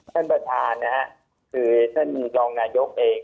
ท่านประธานนะฮะคือท่านรองนายกเอง